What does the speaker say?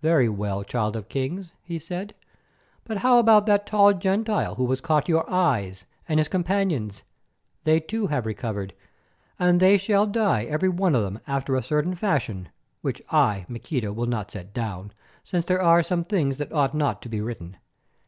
"Very well, Child of Kings," he said, "but how about that tall Gentile who has caught your eyes, and his companions? They, too, have recovered, and they shall die every one of them after a certain fashion (which, I Maqueda, will not set down, since there are some things that ought not to be written).